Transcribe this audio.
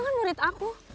tidak ada apa apa